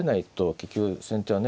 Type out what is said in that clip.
結局先手はね